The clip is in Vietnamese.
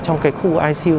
trong cái khu icu